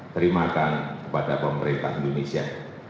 terimakan kepada pemerintah indonesia